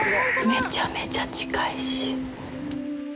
めちゃめちゃ近いし。